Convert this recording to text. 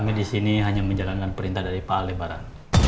kami disini hanya menjalankan perintah dari pak aldebaran